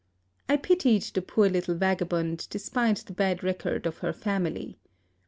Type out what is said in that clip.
I pitied the poor little vagabond despite the bad record of her family.